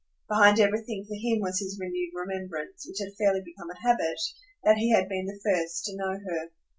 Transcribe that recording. Behind everything for him was his renewed remembrance, which had fairly become a habit, that he had been the first to know her.